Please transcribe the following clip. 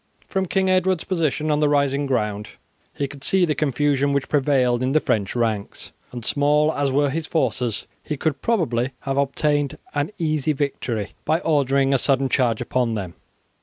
From King Edward's position on the rising ground he could see the confusion which prevailed in the French ranks, and small as were his forces he would probably have obtained an easy victory by ordering a sudden charge upon them.